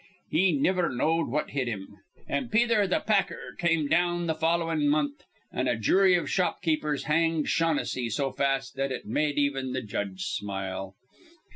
He niver knowed what hit him; an' Pether th' Packer come down th' followin' month, an' a jury iv shopkeepers hanged Shaughnessy so fast it med even th' judge smile."